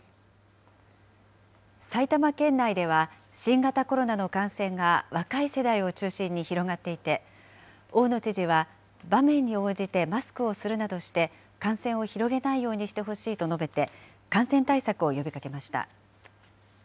埼玉県内では新型コロナの感染が若い世代を中心に広がっていて、大野知事は、場面に応じてマスクをするなどして感染を広げないようにしてほしいと述べて、感染対策を呼びかけました。